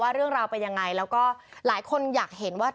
เรื่องราวเป็นยังไงแล้วก็หลายคนอยากเห็นว่า